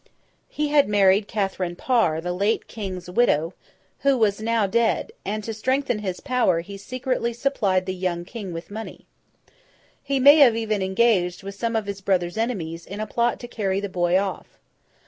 He had married Catherine Parr, the late King's widow, who was now dead; and, to strengthen his power, he secretly supplied the young King with money. He may even have engaged with some of his brother's enemies in a plot to carry the boy off.